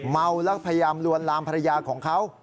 เมาแล้วพยายามลวนลามภรรยาของเขา